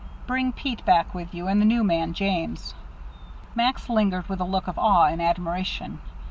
Bring Pete back with you, and the new man, James." Max lingered, with a look of awe and admiration.